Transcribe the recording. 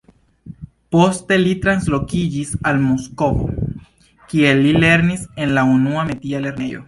Poste li translokiĝis al Moskvo, kie li lernis en la Unua Metia lernejo.